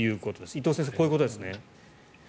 伊藤先生、こういうことですね。